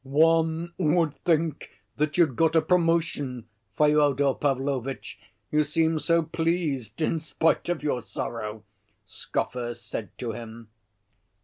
"One would think that you'd got a promotion, Fyodor Pavlovitch, you seem so pleased in spite of your sorrow," scoffers said to him.